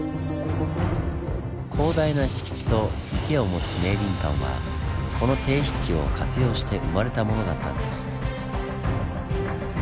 広大な敷地と池を持つ明倫館はこの低湿地を活用して生まれたものだったんです。